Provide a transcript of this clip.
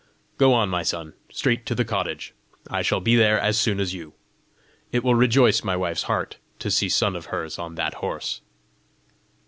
Go on, my son straight to the cottage. I shall be there as soon as you. It will rejoice my wife's heart to see son of hers on that horse!"